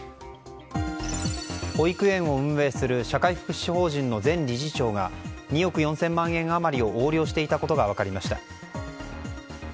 保育園を運営する社会福祉法人の前理事長が２億４０００万円余りを横領していたことが分かりました。